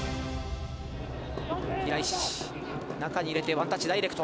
中に入れてワンタッチダイレクト。